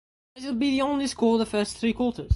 This would be the only score of the first three quarters.